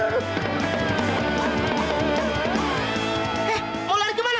tidak tidak tidak tidak tidak